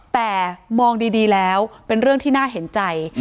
แต่มองดีแล้วเป็นเรื่องที่น่าเห็นใจ